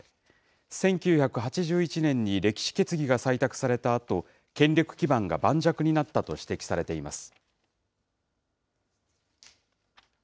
１９８１年に歴史決議が採択されたあと、権力基盤が盤石になったと指摘されています。